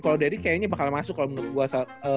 kalo derick kayaknya bakal masuk kalo menurut gue